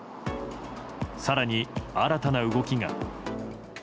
更に、新たな動きが。